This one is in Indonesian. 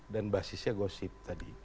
dan basisnya gosip tadi